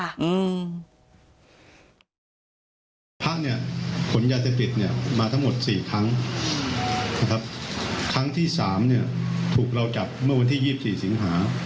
พระครูสุเมตรผลยาศพิตรมาทั้งหมด๔ครั้งครั้งที่๓ถูกเราจับเมื่อวันที่๒๔สิงหา